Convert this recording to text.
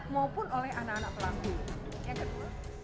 maupun oleh anak anak pelanggan